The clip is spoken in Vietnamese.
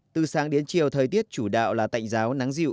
từ sáng đến chiều thời tiết chủ đạo là tạnh giáo nắng dịu